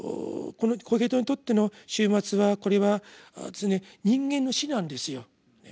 このコヘレトにとっての終末はこれは人間の死なんですよ。